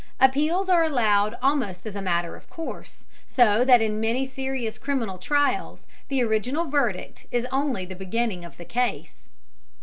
Appeals are allowed almost as a matter of course, so that in many serious criminal trials the original verdict is only the beginning of the case.